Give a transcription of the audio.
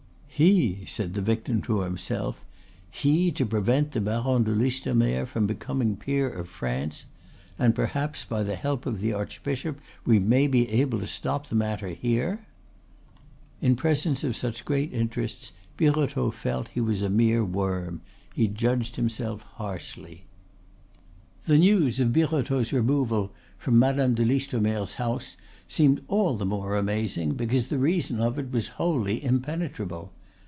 "He!" said the victim to himself, "He to prevent the Baron de Listomere from becoming peer of France! and, perhaps, 'by the help of the archbishop we may be able to stop the matter here'!" In presence of such great interests Birotteau felt he was a mere worm; he judged himself harshly. The news of Birotteau's removal from Madame de Listomere's house seemed all the more amazing because the reason of it was wholly impenetrable.